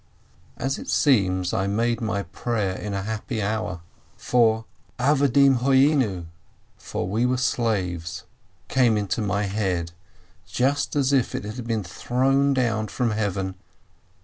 As it seems, I made my prayer in a happy hour, for "we were slaves" came into my head just as if it had been thrown down from Heaven.